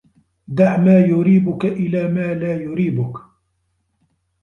دَعْ مَا يَرِيبُك إلَى مَا لَا يَرِيبُك